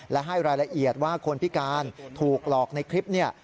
และให้รายละเอียดว่าคนพิการถูกหลอกในคลิปนี้